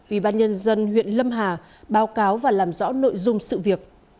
ubnd huyện lâm hà báo cáo và làm rõ nội dung sự việc